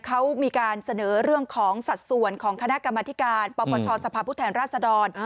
เขามีการเสนอเรื่องของสัดส่วนของคณะกรรมธิการปปชสภาพผู้แทนราชดร